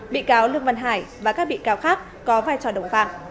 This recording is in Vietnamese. bị cáo lương văn hải và các bị cáo khác có vai trò đồng phạm